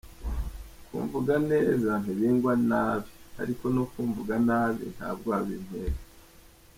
Kumvuga neza, ntibingwa nabi; ariko no kumvuga nabi, nta bwoba bintera.